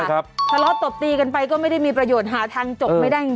ทะเลาะตบตีกันไปก็ไม่ได้มีประโยชน์หาทางจบไม่ได้จริง